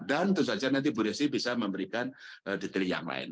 dan tentu saja nanti bu riasi bisa memberikan detail yang lain